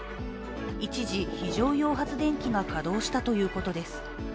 一時、非常用発電機が稼動したということです。